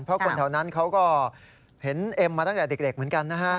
เพราะคนแถวนั้นเขาก็เห็นเอ็มมาตั้งแต่เด็กเหมือนกันนะฮะ